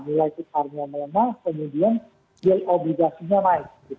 mulai ke karnia mena kemudian biaya obligasinya naik